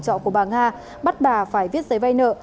trọ của bà nga bắt bà phải viết giấy vay nợ